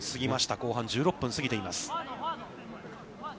後半１６分、過ぎています。